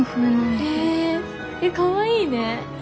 へえかわいいね。